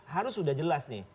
harus sudah jelas nih